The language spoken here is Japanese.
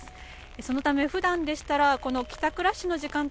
そのためふだんでしたら帰宅ラッシュの時間帯